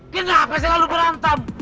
kenapa selalu berantem